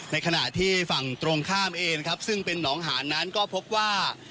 ในขณะที่ฝั่งตรงข้ามเองครับซึ่งเป็นหนองหานนั้นก็พบว่า